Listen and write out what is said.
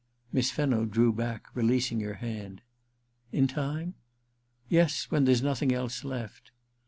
Miss Fenno drew back, releasing her hand. * In time ?' *Yes; when there's nothing else left.'